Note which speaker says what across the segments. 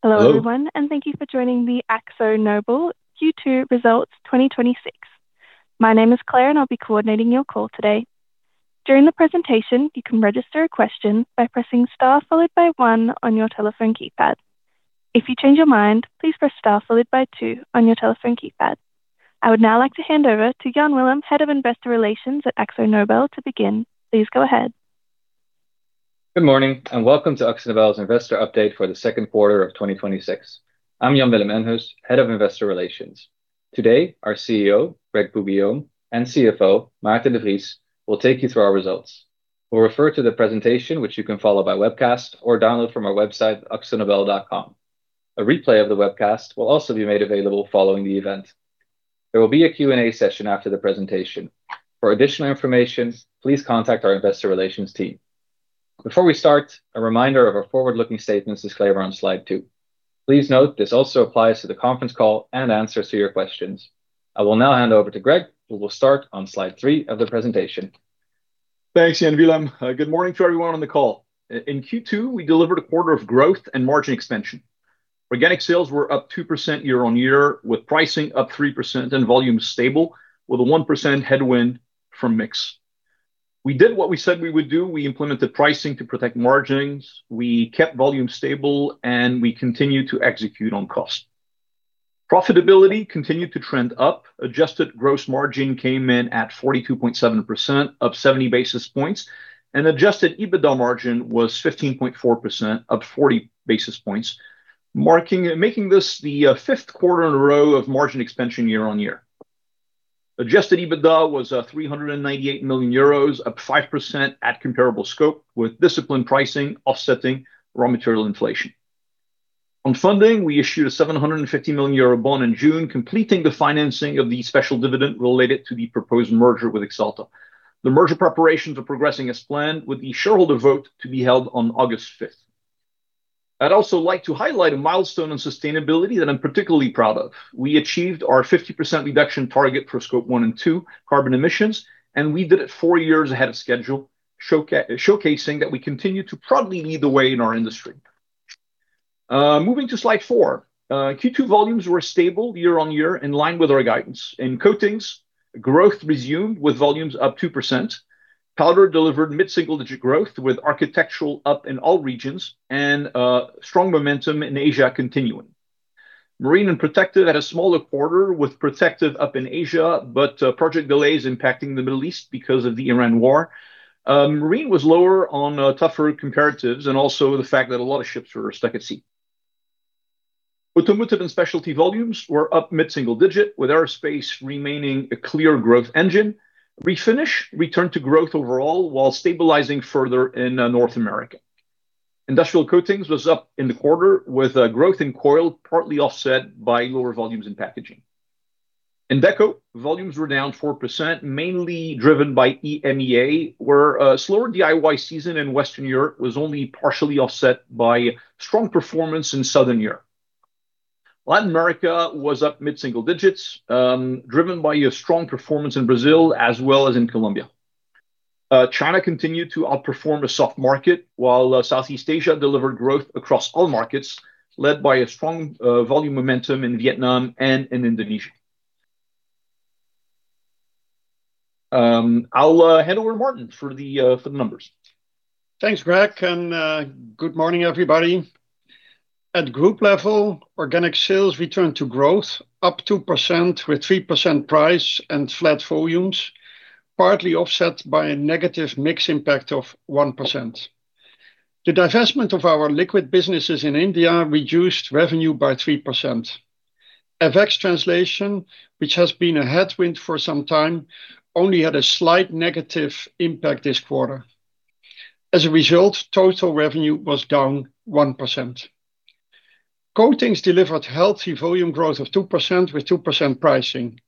Speaker 1: Hello everyone, and thank you for joining the AkzoNobel Q2 Results 2026. My name is Claire, and I will be coordinating your call today. During the presentation, you can register a question by pressing star followed by one on your telephone keypad. If you change your mind, please press star followed by two on your telephone keypad. I would now like to hand over to Jan Willem, Head of Investor Relations at AkzoNobel to begin. Please go ahead.
Speaker 2: Good morning, and welcome to AkzoNobel's investor update for the second quarter of 2026. I am Jan Willem Enhus, Head of Investor Relations. Today, our CEO, Greg Poux-Guillaume, and CFO, Maarten de Vries, will take you through our results. We will refer to the presentation, which you can follow by webcast or download from our website, akzonobel.com. A replay of the webcast will also be made available following the event. There will be a Q&A session after the presentation. For additional information, please contact our investor relations team. Before we start, a reminder of our forward-looking statements disclaimer on slide two. Please note this also applies to the conference call and answers to your questions. I will now hand over to Greg, who will start on slide three of the presentation.
Speaker 3: Thanks, Jan Willem. Good morning to everyone on the call. In Q2, we delivered a quarter of growth and margin expansion. Organic sales were up 2% year-on-year, with pricing up 3% and volumes stable, with a 1% headwind from mix. We did what we said we would do. We implemented pricing to protect margins, we kept volume stable, and we continued to execute on cost. Profitability continued to trend up. Adjusted gross margin came in at 42.7% up 70 basis points, and adjusted EBITDA margin was 15.4% up 40 basis points, making this the fifth quarter in a row of margin expansion year-on-year. Adjusted EBITDA was 398 million euros, up 5% at comparable scope, with disciplined pricing offsetting raw material inflation. On funding, we issued a 750 million euro bond in June, completing the financing of the special dividend related to the proposed merger with Axalta. The merger preparations are progressing as planned with the shareholder vote to be held on August 5th. I would also like to highlight a milestone on sustainability that I am particularly proud of. We achieved our 50% reduction target for Scope 1 and 2 carbon emissions, and we did it four years ahead of schedule, showcasing that we continue to proudly lead the way in our industry. Moving to slide four. Q2 volumes were stable year-on-year in line with our guidance. In Coatings, growth resumed with volumes up 2%. Powder delivered mid-single digit growth, with Architectural up in all regions and strong momentum in Asia continuing. Marine and Protective had a smaller quarter with Protective up in Asia, but project delays impacting the Middle East because of the Iran war. Marine was lower on tougher comparatives and also the fact that a lot of ships were stuck at sea. Automotive and specialty volumes were up mid-single-digit, with aerospace remaining a clear growth engine. Refinish returned to growth overall while stabilizing further in North America. Industrial Coatings was up in the quarter with a growth in coil partly offset by lower volumes in packaging. In Deco, volumes were down 4%, mainly driven by EMEA, where a slower DIY season in Western Europe was only partially offset by strong performance in Southern Europe. Latin America was up mid-single-digits, driven by a strong performance in Brazil as well as in Colombia. China continued to outperform a soft market, while Southeast Asia delivered growth across all markets, led by a strong volume momentum in Vietnam and in Indonesia. I'll hand over to Maarten for the numbers.
Speaker 4: Thanks, Greg. Good morning, everybody. At group level, organic sales returned to growth up 2%, with 3% price and flat volumes, partly offset by a negative mix impact of 1%. The divestment of our liquid businesses in India reduced revenue by 3%. FX translation, which has been a headwind for some time, only had a slight negative impact this quarter. As a result, total revenue was down 1%. Coatings delivered healthy volume growth of 2% with 2% pricing.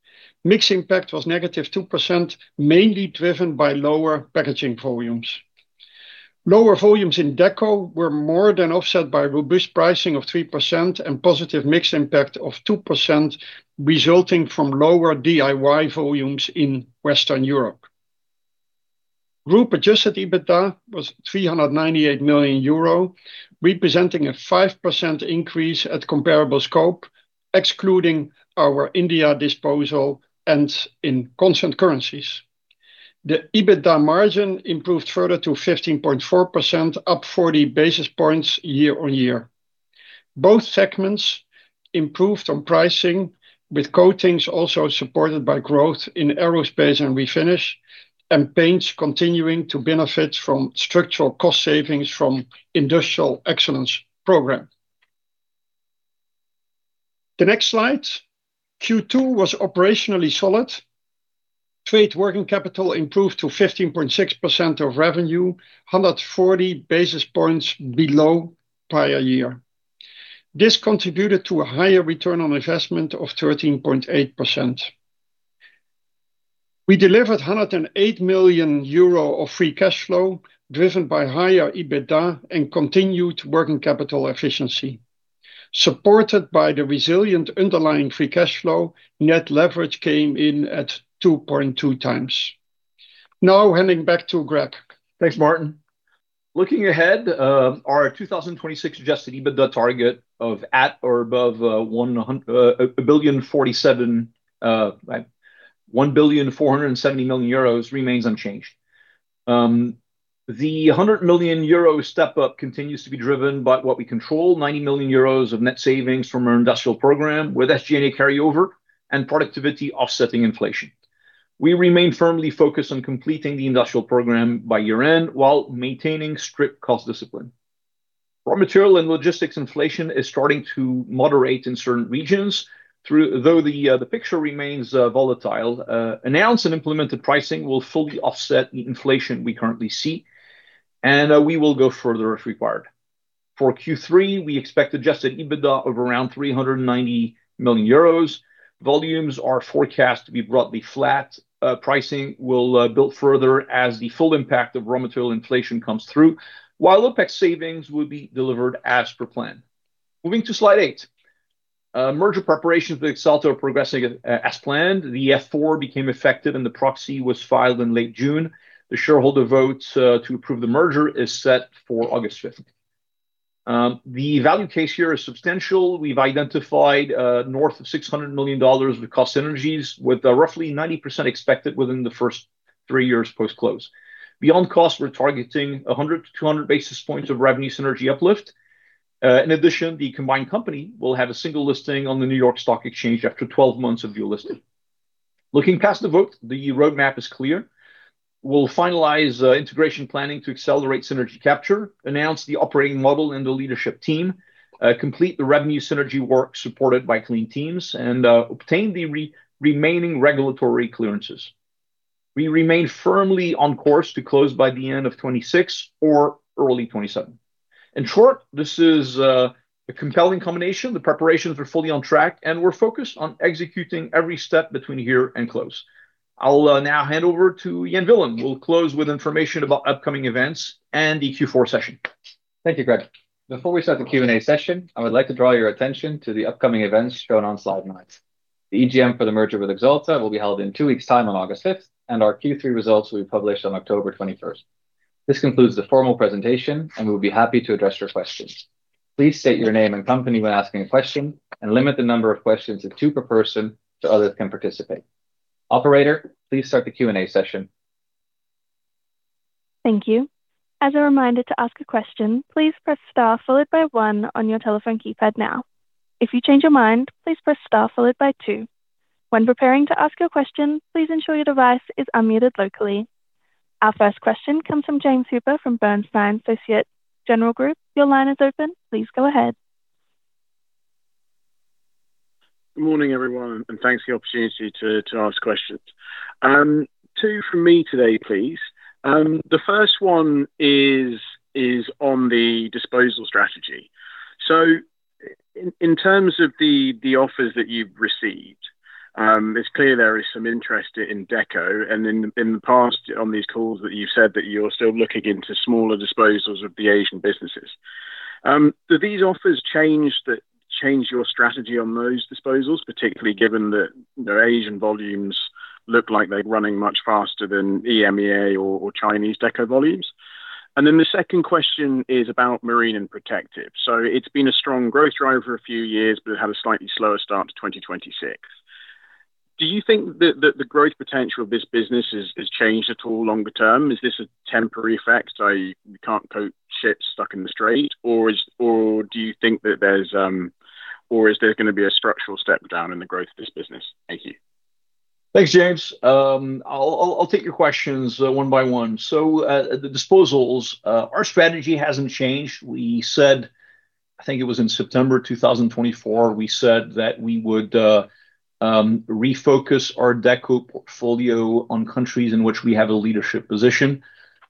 Speaker 4: Mix impact was negative 2%, mainly driven by lower packaging volumes. Lower volumes in Deco were more than offset by robust pricing of 3% and positive mix impact of 2%, resulting from lower DIY volumes in Western Europe. Group adjusted EBITDA was 398 million euro, representing a 5% increase at comparable scope, excluding our India disposal and in constant currencies. The EBITDA margin improved further to 15.4% up 40 basis points year-over-year. Both segments improved on pricing, with Coatings also supported by growth in Aerospace and Refinish, and Paints continuing to benefit from structural cost savings from Industrial Excellence program. The next slide. Q2 was operationally solid. Trade working capital improved to 15.6% of revenue, 140 basis points below prior year. This contributed to a higher return on investment of 13.8%. We delivered 108 million euro of free cash flow driven by higher EBITDA and continued working capital efficiency. Supported by the resilient underlying free cash flow, net leverage came in at 2.2x. Now, handing back to Greg.
Speaker 3: Thanks, Maarten. Looking ahead, our 2026 adjusted EBITDA target of at or above 1.47 billion remains unchanged. The 100 million euro step-up continues to be driven by what we control, 90 million euros of net savings from our Industrial program with SG&A carryover and productivity offsetting inflation. We remain firmly focused on completing the Industrial program by year-end while maintaining strict cost discipline. Raw material and logistics inflation is starting to moderate in certain regions, though the picture remains volatile. Announced and implemented pricing will fully offset the inflation we currently see, and we will go further if required. For Q3, we expect adjusted EBITDA of around 390 million euros. Volumes are forecast to be broadly flat. Pricing will build further as the full impact of raw material inflation comes through, while OpEx savings will be delivered as per plan. Moving to slide eight. Merger preparations with Axalta are progressing as planned. The F-4 became effective, and the proxy was filed in late June. The shareholder vote to approve the merger is set for August 5th. The value case here is substantial. We've identified north of $600 million of cost synergies, with roughly 90% expected within the first three years post-close. Beyond cost, we're targeting 100-200 basis points of revenue synergy uplift. In addition, the combined company will have a single listing on the New York Stock Exchange after 12 months of delisting. Looking past the vote, the roadmap is clear. We'll finalize integration planning to accelerate synergy capture, announce the operating model and the leadership team, complete the revenue synergy work supported by clean teams, and obtain the remaining regulatory clearances. We remain firmly on course to close by the end of 2026 or early 2027. In short, this is a compelling combination. The preparations are fully on track, and we're focused on executing every step between here and close. I'll now hand over to Jan Willem, who will close with information about upcoming events and the Q4 session.
Speaker 2: Thank you, Greg. Before we start the Q&A session, I would like to draw your attention to the upcoming events shown on slide nine. The EGM for the merger with Axalta will be held in two weeks' time on August 5th, and our Q3 results will be published on October 21st. This concludes the formal presentation, and we'll be happy to address your questions. Please state your name and company when asking a question and limit the number of questions to two per person so others can participate. Operator, please start the Q&A session.
Speaker 1: Thank you. As a reminder, to ask a question, please press star followed by one on your telephone keypad now. If you change your mind, please press star followed by two. When preparing to ask your question, please ensure your device is unmuted locally. Our first question comes from James Hooper from Bernstein Societe Generale Group. Your line is open. Please go ahead.
Speaker 5: Good morning, everyone, and thanks for the opportunity to ask questions. Two from me today, please. The first one is on the disposal strategy. In terms of the offers that you've received, it's clear there is some interest in Deco. In the past, on these calls that you've said that you're still looking into smaller disposals of the Asian businesses. Do these offers change your strategy on those disposals, particularly given that their Asian volumes look like they're running much faster than EMEA or Chinese Deco volumes? The second question is about marine and protective. It's been a strong growth driver a few years, but it had a slightly slower start to 2026. Do you think that the growth potential of this business has changed at all longer term? Is this a temporary effect, i.e., we can't coat ships stuck in the Strait? Is there going to be a structural step-down in the growth of this business? Thank you.
Speaker 3: Thanks, James. I'll take your questions one by one. The disposals, our strategy hasn't changed. I think it was in September 2024, we said that we would refocus our Deco portfolio on countries in which we have a leadership position.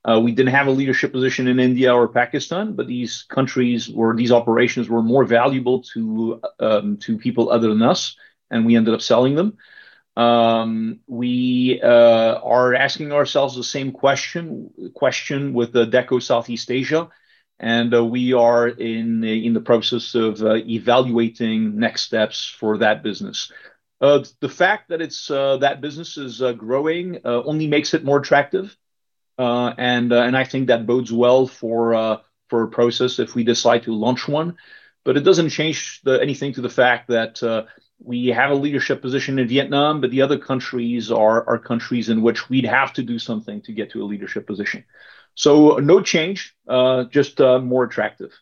Speaker 3: We didn't have a leadership position in India or Pakistan, but these countries or this operations were more valuable to people other than us, and we ended up selling them. We are asking ourselves the same question with the Deco Southeast Asia, and we are in the process of evaluating next steps for that business. The fact that that business is growing only makes it more attractive, and I think that bodes well for a process if we decide to launch one. It doesn't change anything to the fact that we have a leadership position in Vietnam, but the other countries are countries in which we'd have to do something to get to a leadership position. No change, just more attractive.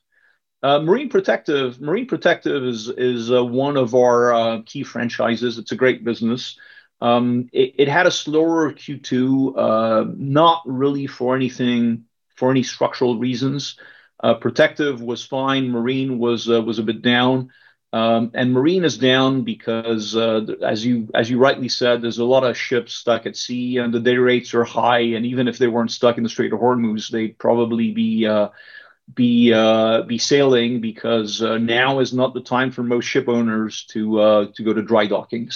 Speaker 3: Marine protective is one of our key franchises. It's a great business. It had a slower Q2, not really for any structural reasons. Protective was fine. Marine was a bit down. Marine is down because, as you rightly said, there's a lot of ships stuck at sea, and the day rates are high. Even if they weren't stuck in the Strait of Hormuz, they'd probably be sailing because now is not the time for most ship owners to go to dry docking.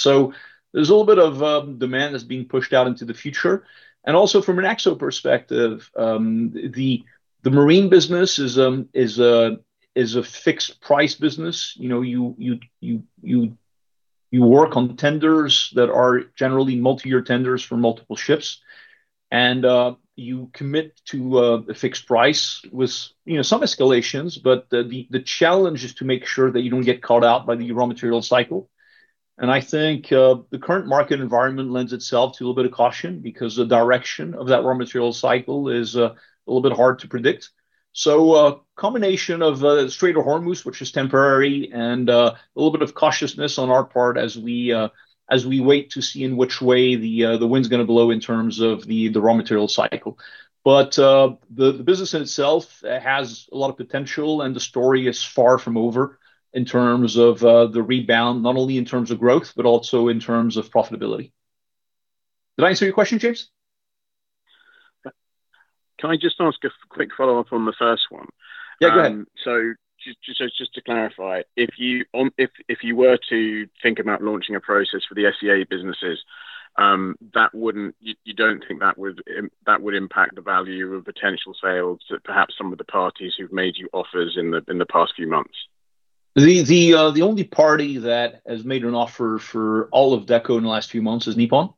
Speaker 3: There's a little bit of demand that's being pushed out into the future. Also from an Akzo perspective, the Marine business is a fixed price business. You work on tenders that are generally multi-year tenders for multiple ships, and you commit to a fixed price with some escalations. The challenge is to make sure that you don't get caught out by the raw material cycle. I think the current market environment lends itself to a little bit of caution because the direction of that raw material cycle is a little bit hard to predict. A combination of Strait of Hormuz, which is temporary, and a little bit of cautiousness on our part as we wait to see in which way the wind's going to blow in terms of the raw material cycle. The business in itself has a lot of potential, and the story is far from over in terms of the rebound, not only in terms of growth, but also in terms of profitability. Did I answer your question, James?
Speaker 5: Can I just ask a quick follow-up on the first one?
Speaker 3: Yeah, go ahead.
Speaker 5: Just to clarify, if you were to think about launching a process for the SEA businesses, you don't think that would impact the value of potential sales that perhaps some of the parties who've made you offers in the past few months?
Speaker 3: The only party that has made an offer for all of Deco in the last few months is Nippon.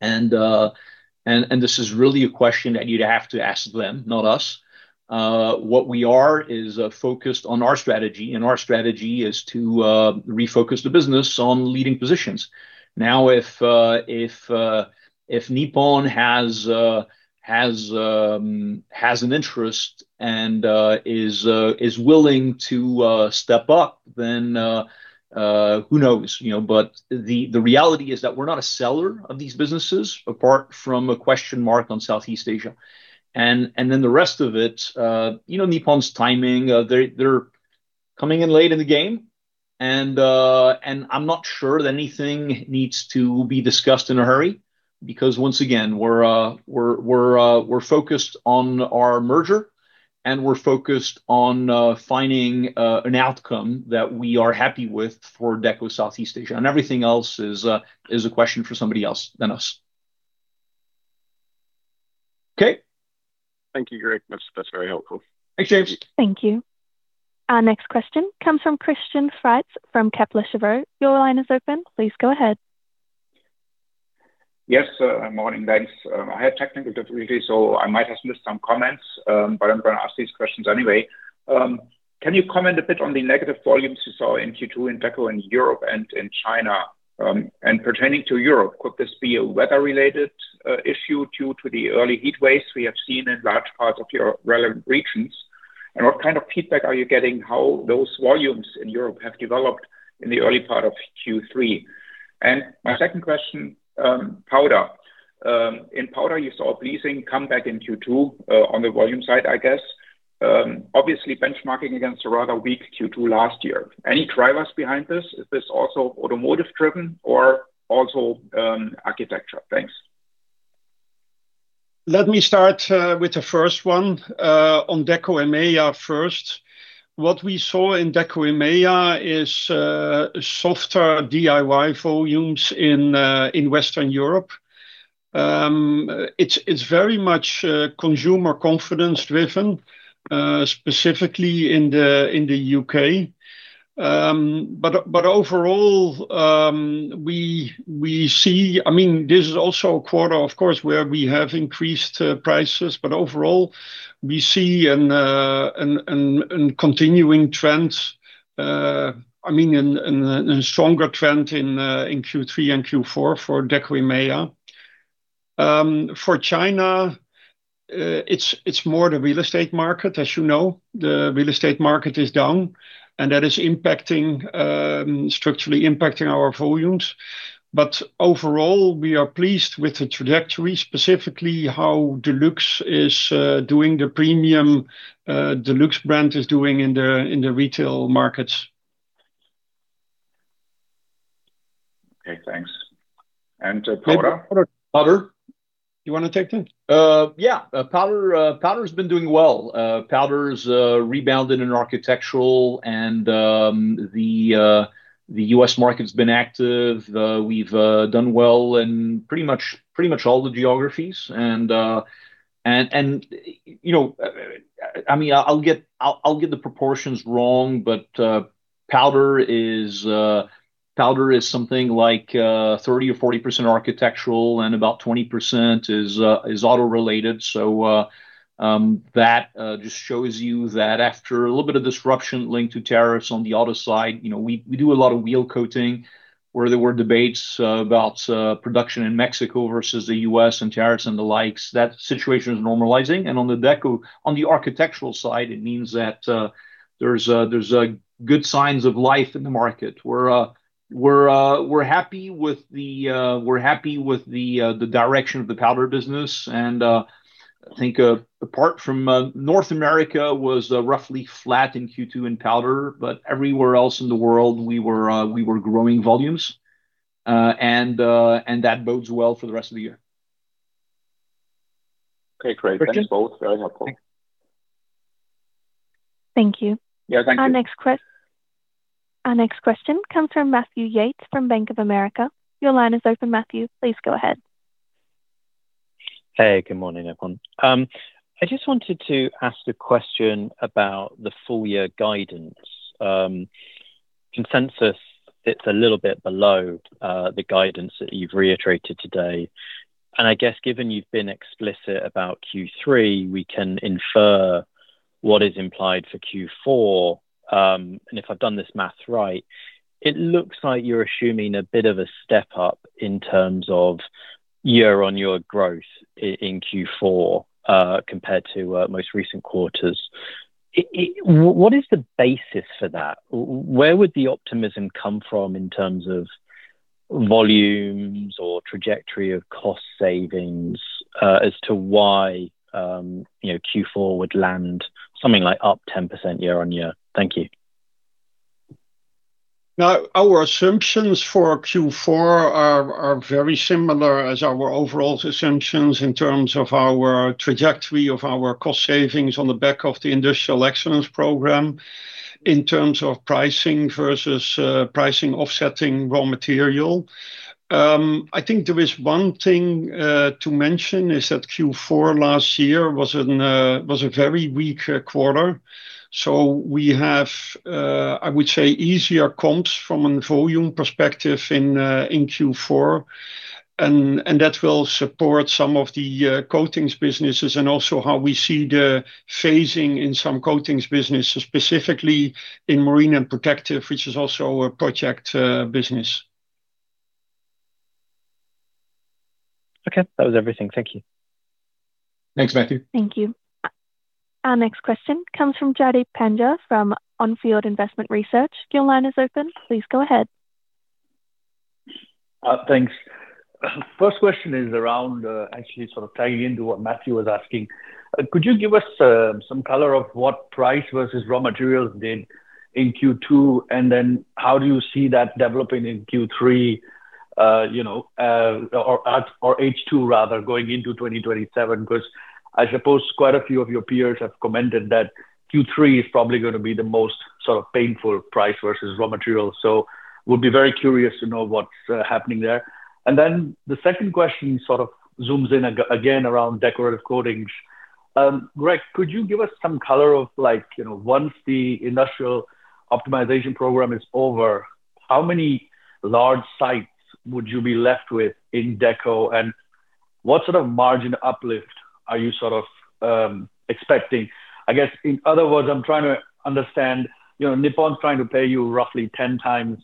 Speaker 3: This is really a question that you'd have to ask them, not us. What we are is focused on our strategy, and our strategy is to refocus the business on leading positions. If Nippon has an interest and is willing to step up, then who knows? The reality is that we're not a seller of these businesses, apart from a question mark on Southeast Asia. The rest of it, Nippon's timing, they're coming in late in the game, and I'm not sure that anything needs to be discussed in a hurry because once again, we're focused on our merger and we're focused on finding an outcome that we are happy with for Deco Southeast Asia, and everything else is a question for somebody else than us. Okay?
Speaker 5: Thank you, Greg. That's very helpful.
Speaker 3: Thanks, James.
Speaker 1: Thank you. Our next question comes from Christian Faitz from Kepler Cheuvreux. Your line is open. Please go ahead.
Speaker 6: Morning, guys. I had technical difficulty, I might have missed some comments, but I'm going to ask these questions anyway. Can you comment a bit on the negative volumes you saw in Q2 in Deco in Europe and in China? Pertaining to Europe, could this be a weather-related issue due to the early heatwaves we have seen in large parts of your relevant regions? What kind of feedback are you getting how those volumes in Europe have developed in the early part of Q3? My second question, Powder. In Powder, you saw pleasing comeback in Q2, on the volume side, I guess. Obviously, benchmarking against a rather weak Q2 last year. Any drivers behind this? Is this also Automotive driven or also architecture? Thanks.
Speaker 4: Let me start with the first one on Deco EMEA first. What we saw in Deco EMEA is softer DIY volumes in Western Europe. It's very much consumer confidence driven, specifically in the U.K. Overall, we see This is also a quarter, of course, where we have increased prices, but overall, we see a continuing trend, a stronger trend in Q3 and Q4 for Deco EMEA. For China, it's more the real estate market. As you know, the real estate market is down, and that is structurally impacting our volumes. Overall, we are pleased with the trajectory, specifically how Dulux is doing, the premium Dulux brand is doing in the retail markets.
Speaker 6: Okay, thanks. Powder?
Speaker 4: Powder.
Speaker 3: Powder.
Speaker 4: You want to take that?
Speaker 3: Yeah. Powder's been doing well. Powder's rebounded in architectural and the U.S. market's been active. We've done well in pretty much all the geographies. I'll get the proportions wrong, but Powder is something like 30% or 40% architectural and about 20% is auto-related. That just shows you that after a little bit of disruption linked to tariffs on the auto side, we do a lot of wheel coating, where there were debates about production in Mexico versus the U.S. and tariffs and the likes. That situation is normalizing. On the Deco, on the architectural side, it means that there's good signs of life in the market. We're happy with the direction of the Powder business, and I think apart from North America was roughly flat in Q2 in Powder, but everywhere else in the world, we were growing volumes. That bodes well for the rest of the year.
Speaker 6: Okay, great.
Speaker 3: Christian?
Speaker 6: Thanks, both. Very helpful.
Speaker 1: Thank you.
Speaker 3: Yeah, thank you.
Speaker 1: Our next question comes from Matthew Yates from Bank of America. Your line is open, Matthew. Please go ahead.
Speaker 7: Good morning, everyone. I just wanted to ask a question about the full year guidance. Consensus sits a little bit below the guidance that you've reiterated today. I guess given you've been explicit about Q3, we can infer what is implied for Q4. If I've done this math right, it looks like you're assuming a bit of a step up in terms of year-on-year growth in Q4 compared to most recent quarters. What is the basis for that? Where would the optimism come from in terms of volumes or trajectory of cost savings as to why Q4 would land something like up 10% year-on-year? Thank you.
Speaker 4: Our assumptions for Q4 are very similar as our overall assumptions in terms of our trajectory of our cost savings on the back of the Industrial Excellence program, in terms of pricing versus pricing offsetting raw material. I think there is one thing to mention is that Q4 last year was a very weaker quarter. We have, I would say, easier comps from a volume perspective in Q4, and that will support some of the coatings businesses and also how we see the phasing in some coatings businesses, specifically in Marine and Protective, which is also a project business.
Speaker 7: Okay. That was everything. Thank you.
Speaker 4: Thanks, Matthew.
Speaker 1: Thank you. Our next question comes from Jaideep Pandya from On Field Investment Research. Your line is open. Please go ahead.
Speaker 8: Thanks. First question is around actually sort of tying into what Matthew was asking. Could you give us some color of what price versus raw materials did in Q2, then how do you see that developing in Q3. You know, or H2 rather going into 2027? Because I suppose quite a few of your peers have commented that Q3 is probably going to be the most sort of painful price versus raw material. We'll be very curious to know what's happening there. The second question sort of zooms in again around Decorative Coatings. Greg, could you give us some color of once the Industrial Optimization program is over, how many large sites would you be left with in Deco, and what sort of margin uplift are you sort of expecting? I guess in other words, I'm trying to understand, your Nippon is trying to pay you roughly 10x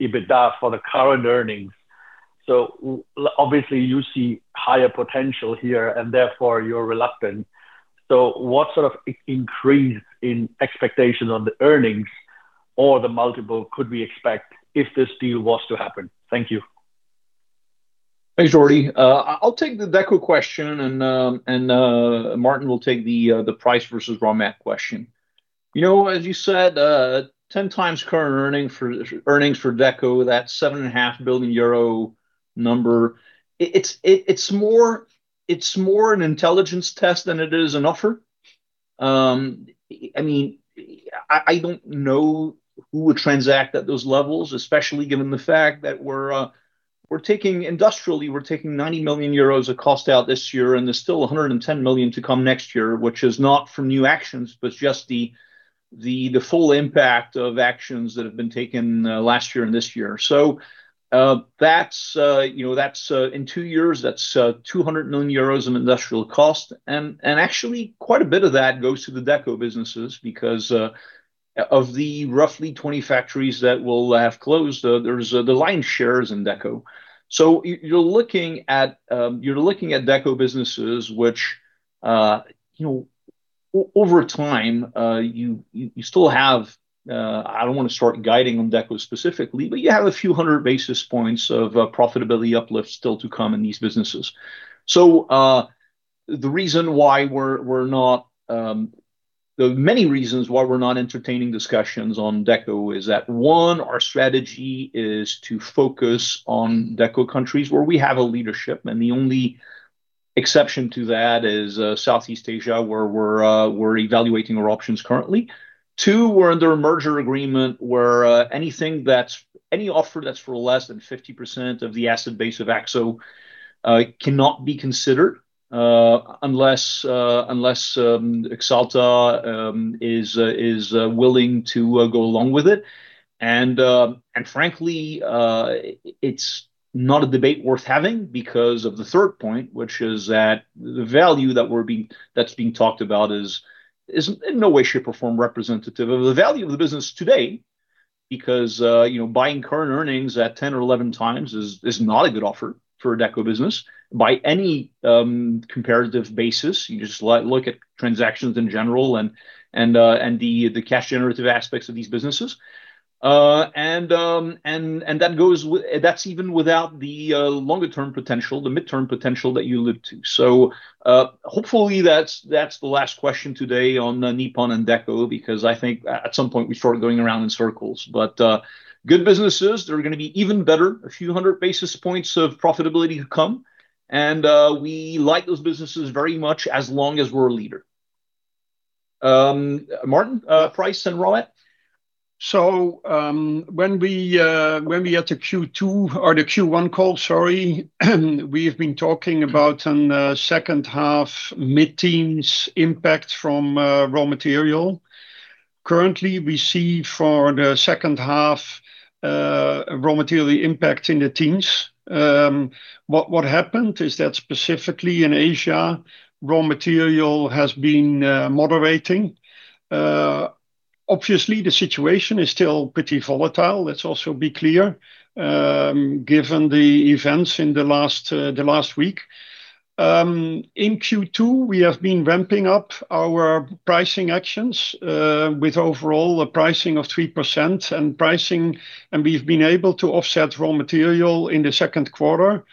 Speaker 8: EBITDA for the current earnings. Obviously you see higher potential here, and therefore you're reluctant. What sort of increase in expectations on the earnings or the multiple could we expect if this deal was to happen? Thank you.
Speaker 3: Thanks, Jaideep. I'll take the Deco question and Maarten will take the price versus raw mat question. As you said, 10x current earnings for Deco, that 7.5 billion euro number, it's more an intelligence test than it is an offer. I don't know who would transact at those levels, especially given the fact that industrially, we're taking 90 million euros of cost out this year, and there's still 110 million to come next year, which is not from new actions, but just the full impact of actions that have been taken last year and this year. In two years, that's 200 million euros in industrial cost. Actually, quite a bit of that goes to the Deco businesses because of the roughly 20 factories that will have closed, the lion's share is in Deco. You're looking at Deco businesses which, over time, I don't want to start guiding on Deco specifically, but you have a few hundred basis points of profitability uplift still to come in these businesses. The many reasons why we're not entertaining discussions on Deco is that, one, our strategy is to focus on Deco countries where we have a leadership, and the only exception to that is Southeast Asia, where we're evaluating our options currently. Two, we're under a merger agreement where any offer that's for less than 50% of the asset base of Akzo cannot be considered unless Axalta is willing to go along with it. Frankly, it's not a debate worth having because of the third point, which is that the value that's being talked about is in no way, shape, or form representative of the value of the business today because buying current earnings at 10x or 11x is not a good offer for a Deco business by any comparative basis. You just look at transactions in general and the cash generative aspects of these businesses. That's even without the longer term potential, the midterm potential that you allude to. Hopefully that's the last question today on Nippon and Deco, because I think at some point we start going around in circles. Good businesses, they're going to be even better. A few hundred basis points of profitability to come, and we like those businesses very much as long as we're a leader. Maarten, price and raw material?
Speaker 4: When we had the Q1 call, we have been talking about a second half mid-teens impact from raw material. Currently, we see for the second half raw material impact in the teens. What happened is that specifically in Asia, raw material has been moderating. Obviously, the situation is still pretty volatile, let's also be clear, given the events in the last week. In Q2, we have been ramping up our pricing actions, with overall a pricing of 3%, and we've been able to offset raw material in the second quarter.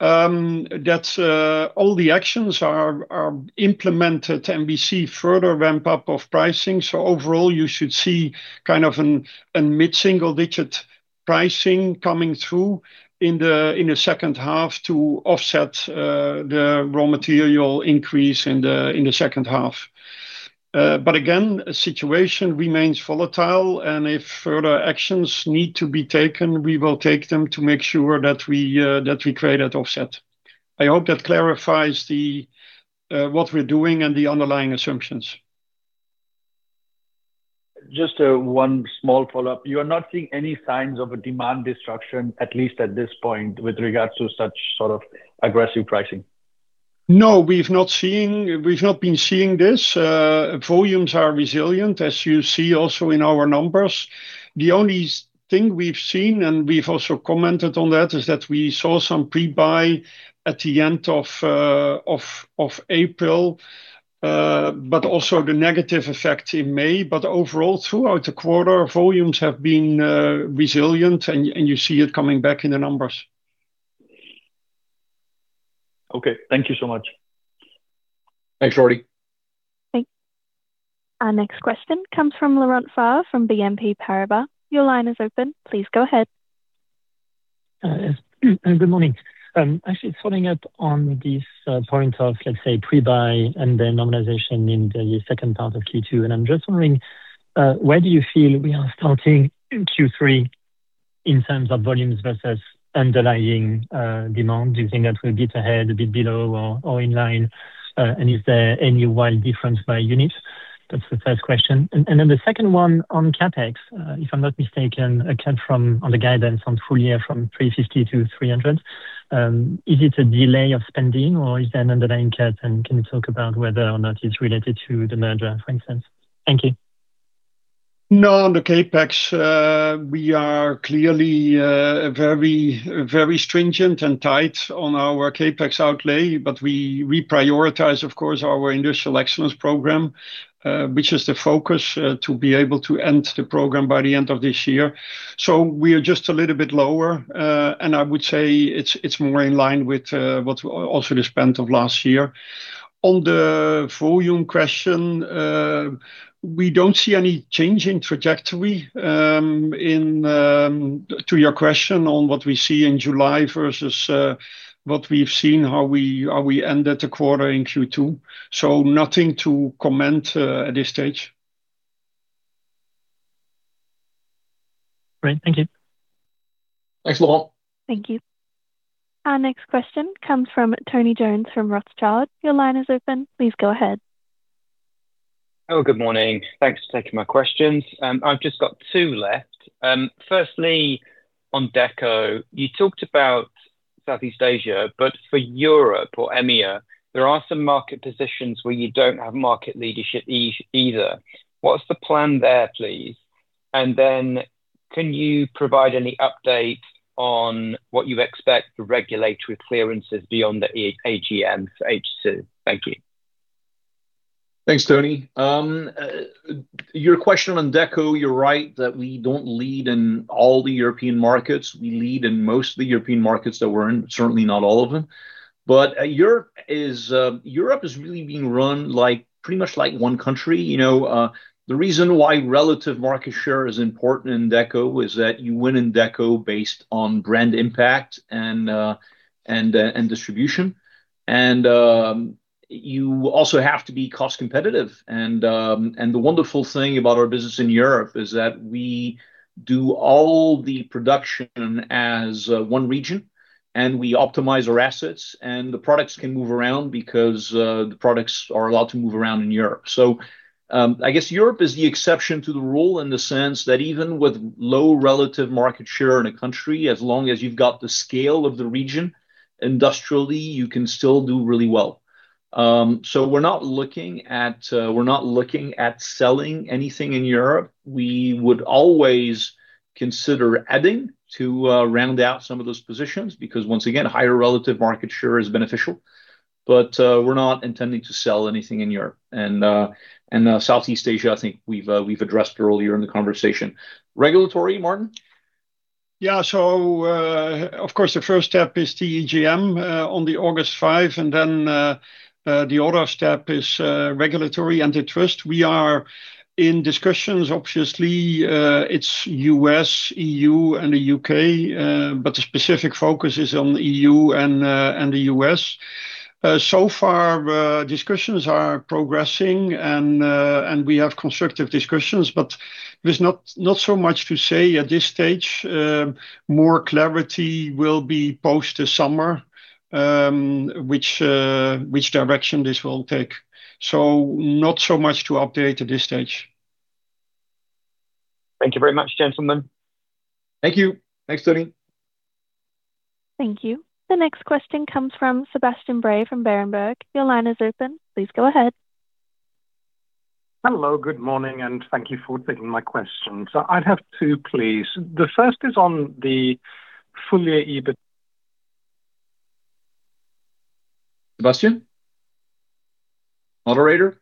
Speaker 4: All the actions are implemented, we see further ramp-up of pricing. Overall, you should see a mid-single-digit pricing coming through in the second half to offset the raw material increase in the second half. Again, the situation remains volatile, and if further actions need to be taken, we will take them to make sure that we create that offset. I hope that clarifies what we're doing and the underlying assumptions.
Speaker 8: Just one small follow-up. You are not seeing any signs of a demand destruction, at least at this point, with regards to such sort of aggressive pricing?
Speaker 4: No, we've not been seeing this. Volumes are resilient, as you see also in our numbers. The only thing we've seen, and we've also commented on that, is that we saw some pre-buy at the end of April, also the negative effect in May. Overall, throughout the quarter, volumes have been resilient, and you see it coming back in the numbers.
Speaker 8: Okay. Thank you so much.
Speaker 3: Thanks, Jaideep.
Speaker 1: Thanks. Our next question comes from Laurent Favre from BNP Paribas. Your line is open. Please go ahead.
Speaker 9: Yes. Good morning. Actually following up on this point of, let's say, pre-buy and then normalization in the second part of Q2. I'm just wondering, where do you feel we are starting Q3 in terms of volumes versus underlying demand? Do you think that will be a bit ahead, a bit below or in line? Is there any wide difference by units? That's the first question. The second one on CapEx. If I'm not mistaken, a cut from on the guidance on full year from 350 to 300. Is it a delay of spending or is there an underlying cut? Can you talk about whether or not it's related to the merger, for instance? Thank you.
Speaker 4: No, on the CapEx, we are clearly very stringent and tight on our CapEx outlay, but we reprioritize, of course, our Industrial Excellence program, which is the focus to be able to end the program by the end of this year. We are just a little bit lower. I would say it's more in line with what also the spend of last year. On the volume question, we don't see any change in trajectory, to your question, on what we see in July versus what we've seen, how we ended the quarter in Q2. Nothing to comment at this stage.
Speaker 9: Great. Thank you.
Speaker 3: Thanks, Laurent.
Speaker 1: Thank you. Our next question comes from Tony Jones from Rothschild. Your line is open. Please go ahead.
Speaker 10: Good morning. Thanks for taking my questions. I've just got two left. Firstly, on Deco, you talked about Southeast Asia, but for Europe or EMEA, there are some market positions where you don't have market leadership either. What's the plan there, please? Can you provide any update on what you expect the regulatory clearances beyond the EGM for H2? Thank you.
Speaker 3: Thanks, Tony. Your question on Deco, you're right that we don't lead in all the European markets. We lead in most of the European markets that we're in, certainly not all of them. Europe is really being run pretty much like one country. The reason why relative market share is important in Deco is that you win in Deco based on brand impact and distribution. You also have to be cost competitive. The wonderful thing about our business in Europe is that we do all the production as one region, and we optimize our assets, and the products can move around because the products are allowed to move around in Europe. I guess Europe is the exception to the rule in the sense that even with low relative market share in a country, as long as you've got the scale of the region, industrially, you can still do really well. We're not looking at selling anything in Europe. We would always consider adding to round out some of those positions because once again, higher relative market share is beneficial. We're not intending to sell anything in Europe. Southeast Asia, I think we've addressed earlier in the conversation. Regulatory, Maarten?
Speaker 4: Of course, the first step is the EGM on the August 5, and then the other step is regulatory antitrust. We are in discussions, obviously, it's U.S., E.U., and the U.K., but the specific focus is on the E.U. and the U.S. So far, discussions are progressing, and we have constructive discussions, but there's not so much to say at this stage. More clarity will be post this summer which direction this will take. Not so much to update at this stage.
Speaker 10: Thank you very much, gentlemen.
Speaker 3: Thank you. Thanks, Tony.
Speaker 1: Thank you. The next question comes from Sebastian Bray from Berenberg. Your line is open. Please go ahead.
Speaker 11: Hello. Good morning. Thank you for taking my question. I'd have two, please. The first is on the full year EBITA.
Speaker 3: Sebastian? Moderator?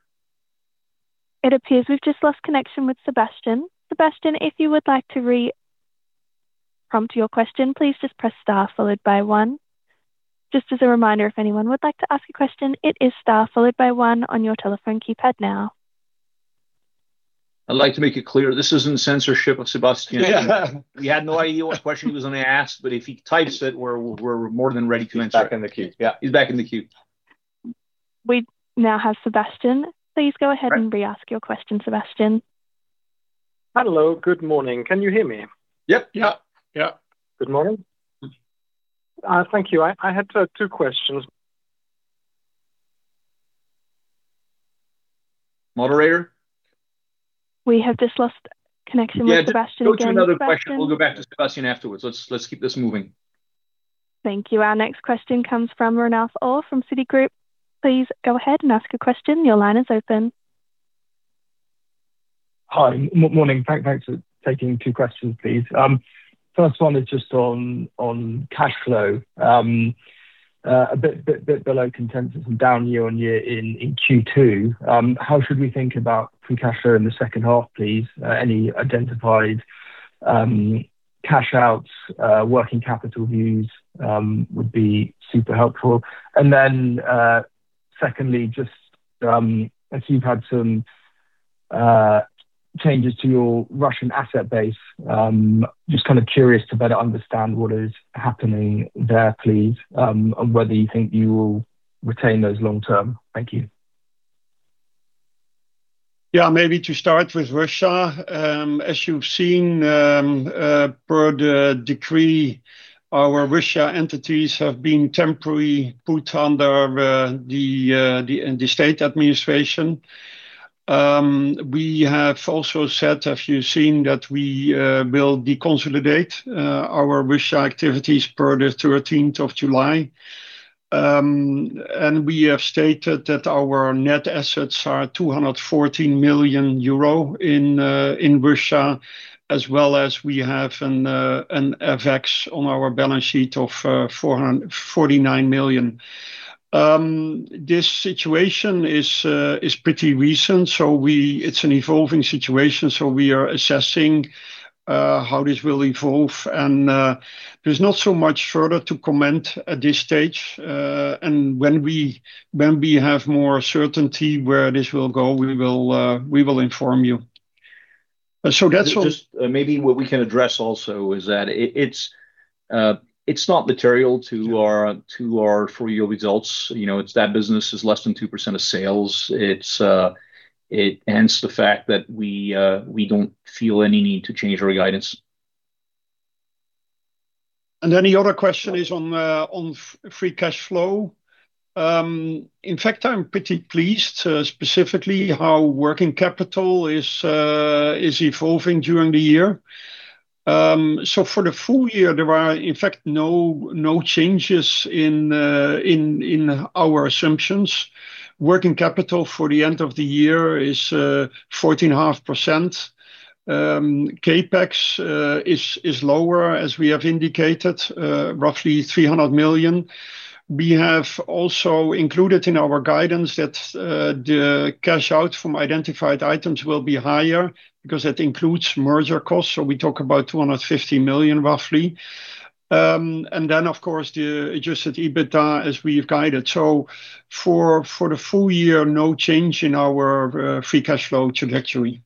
Speaker 1: It appears we've just lost connection with Sebastian. Sebastian, if you would like to re-prompt your question, please just press star followed by one. Just as a reminder, if anyone would like to ask a question, it is star followed by one on your telephone keypad now.
Speaker 3: I'd like to make it clear, this isn't censorship of Sebastian. We had no idea what question he was going to ask, but if he types it, we're more than ready to answer it. He's back in the queue. He's back in the queue.
Speaker 1: We now have Sebastian. Please go ahead and re-ask your question, Sebastian.
Speaker 11: Hello. Good morning. Can you hear me?
Speaker 3: Yep. Yeah.
Speaker 11: Good morning. Thank you. I had two questions.
Speaker 3: Moderator?
Speaker 1: We have just lost connection with Sebastian again.
Speaker 3: Yeah. Go to another question. We'll go back to Sebastian afterwards. Let's keep this moving.
Speaker 1: Thank you. Our next question comes from Ranulf Orr from Citigroup. Please go ahead and ask a question. Your line is open.
Speaker 12: Hi. Morning. Thanks for taking two questions, please. First one is just on cash flow. A bit below consensus and down year-over-year in Q2. How should we think about free cash flow in the second half, please? Any identified cash outs, working capital views would be super helpful. Secondly, I see you've had some changes to your Russian asset base. Just kind of curious to better understand what is happening there, please, and whether you think you will retain those long term. Thank you.
Speaker 4: Yeah. Maybe to start with Russia. As you've seen, per the decree, our Russia entities have been temporarily put under the state administration. We have also said, as you've seen, that we will deconsolidate our Russia activities per the 13th of July. We have stated that our net assets are 214 million euro in Russia, as well as we have an FX on our balance sheet of 49 million. This situation is pretty recent. It's an evolving situation. We are assessing how this will evolve. There's not so much further to comment at this stage. When we have more certainty where this will go, we will inform you. That's all.
Speaker 3: Just maybe what we can address also is that it's not material to our full-year results. That business is less than 2% of sales. Hence the fact that we don't feel any need to change our guidance.
Speaker 4: The other question is on free cash flow. In fact, I'm pretty pleased specifically how working capital is evolving during the year. For the full year, there are in fact no changes in our assumptions. Working capital for the end of the year is 14.5%. CapEx is lower, as we have indicated, roughly 300 million. We have also included in our guidance that the cash out from identified items will be higher because that includes merger costs. We talk about 250 million, roughly. Of course, the adjusted EBITDA as we've guided. For the full year, no change in our free cash flow trajectory.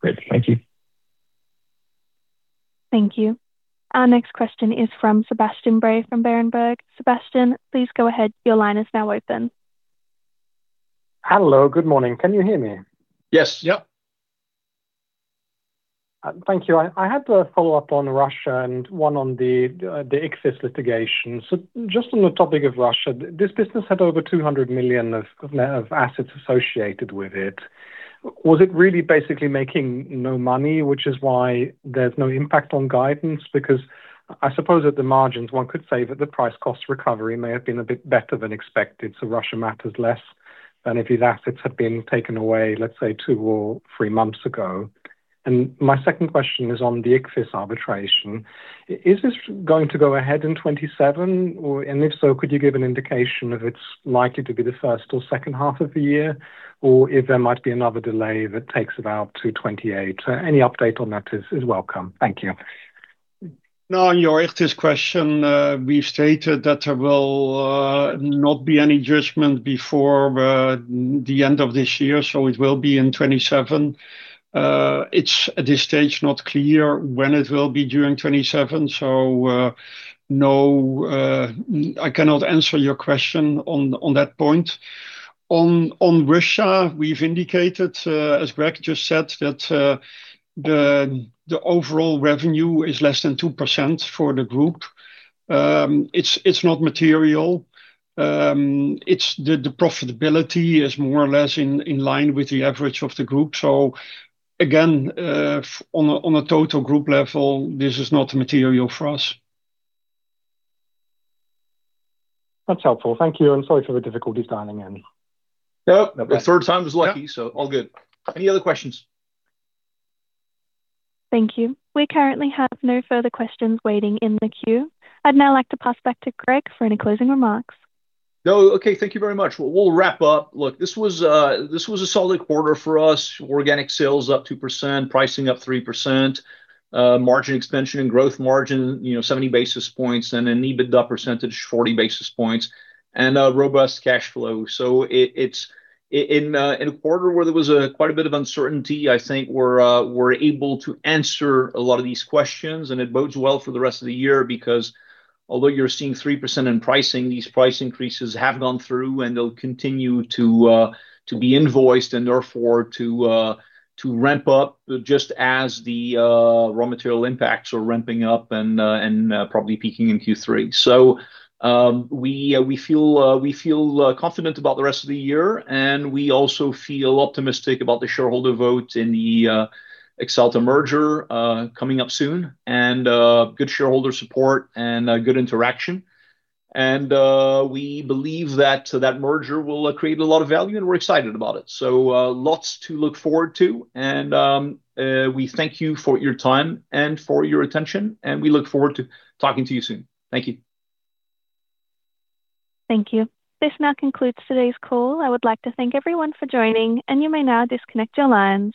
Speaker 12: Great. Thank you.
Speaker 1: Thank you. Our next question is from Sebastian Bray from Berenberg. Sebastian, please go ahead. Your line is now open.
Speaker 11: Hello. Good morning. Can you hear me?
Speaker 3: Yes. Yep.
Speaker 11: Thank you. I had a follow-up on Russia and one on the Ichthys litigation. Just on the topic of Russia, this business had over 200 million of assets associated with it. Was it really basically making no money, which is why there's no impact on guidance? Because I suppose at the margins, one could say that the price-cost recovery may have been a bit better than expected, so Russia matters less than if these assets had been taken away, let's say, two or three months ago. My second question is on the Ichthys arbitration. Is this going to go ahead in 2027, and if so, could you give an indication if it's likely to be the first or second half of the year, or if there might be another delay that takes it out to 2028? Any update on that is welcome. Thank you.
Speaker 4: No, on your Ichthys question, we stated that there will not be any judgment before the end of this year, it will be in 2027. It is, at this stage, not clear when it will be during 2027, no, I cannot answer your question on that point. On Russia, we have indicated, as Greg just said, that the overall revenue is less than 2% for the group. It is not material. The profitability is more or less in line with the average of the group. Again, on a total group level, this is not material for us.
Speaker 11: That is helpful. Thank you, and sorry for the difficulty dialing in.
Speaker 3: No.
Speaker 4: No problem.
Speaker 3: The third time is lucky, so all good. Any other questions?
Speaker 1: Thank you. We currently have no further questions waiting in the queue. I'd now like to pass back to Greg for any closing remarks.
Speaker 3: No. Okay. Thank you very much. We'll wrap up. Look, this was a solid quarter for us. Organic sales up 2%, pricing up 3%, margin expansion and gross margin 70 basis points, and an EBITDA percentage 40 basis points, and a robust cash flow. In a quarter where there was quite a bit of uncertainty, I think we're able to answer a lot of these questions, and it bodes well for the rest of the year because although you're seeing 3% in pricing, these price increases have gone through and they'll continue to be invoiced and therefore to ramp up just as the raw material impacts are ramping up and probably peaking in Q3. We feel confident about the rest of the year, and we also feel optimistic about the shareholder vote in the Axalta merger coming up soon, and good shareholder support and good interaction. We believe that that merger will create a lot of value, and we're excited about it. Lots to look forward to. We thank you for your time and for your attention, and we look forward to talking to you soon. Thank you.
Speaker 1: Thank you. This now concludes today's call. I would like to thank everyone for joining, and you may now disconnect your line.